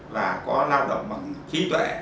và có lao động bằng trí tuệ